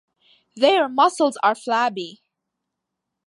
Their muscles are flabby.